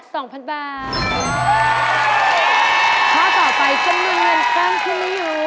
ข้อต่อไปจำนวนเงินเพิ่มขึ้นไม่อยู่